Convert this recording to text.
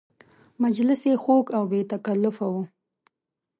مجلس یې خوږ او بې تکلفه و.